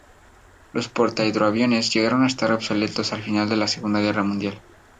Los portahidroaviones llegaron a estar obsoletos al final de la Segunda Guerra Mundial.